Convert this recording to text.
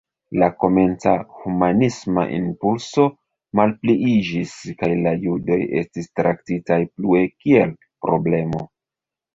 La komenca humanisma impulso malpliiĝis kaj la judoj estis traktitaj plue kiel „problemo”.